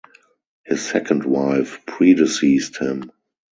His second wife predeceased him.